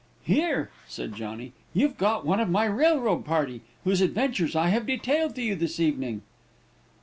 "Here," said Johnny, "you've got one of my railroad party, whose adventures I have detailed to you this evening."